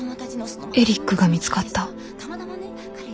エリックが見つかった。